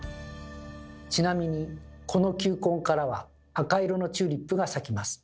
ちなみにこの球根からは赤色のチューリップが咲きます。